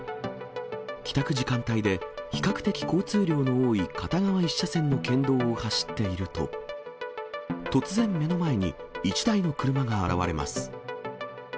帰宅時間帯で、比較的交通量の多い片側１車線の県道を走っていると、突然、目の前に１台の車が現れます。